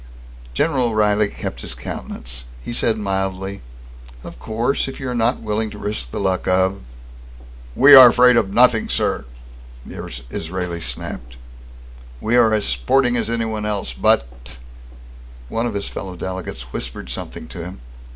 General O'Reilly kept his countenance. He said mildly: "Of course, if you are not willing to risk the luck of " "We are afraid of nothing, sir!" the Israeli snapped. "We are as sporting as anyone else, but " One of his fellow delegates whispered something to him.